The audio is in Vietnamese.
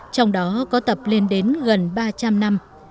trong đó có tập lên đến gần ba trăm linh năm